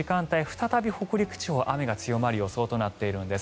再び、北陸地方は雨が強まる予想となっているんです。